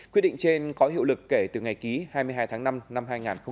quyết định trên có hiệu lực kể từ ngày ký hai mươi hai tháng năm năm hai nghìn hai mươi